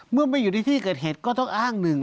เมื่อไม่อยู่ในที่เกิดเหตุก็ต้องอ้างหนึ่ง